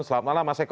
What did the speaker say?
selamat malam mas eko